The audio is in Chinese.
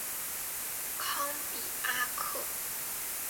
康比阿克。